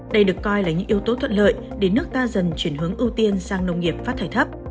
đây được coi là những yếu tố thuận lợi để nước ta dần chuyển hướng ưu tiên sang nông nghiệp phát thải thấp